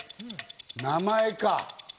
名前か？